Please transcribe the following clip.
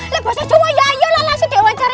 lah bahasa jawa ya ayolah langsung deh wawancara